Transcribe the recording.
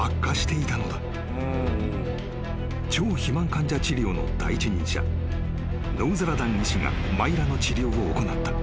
［超肥満患者治療の第一人者ノウザラダン医師がマイラの治療を行った］